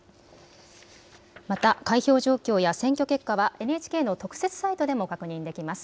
また開票状況や選挙結果はＮＨＫの特設サイトでも確認できます。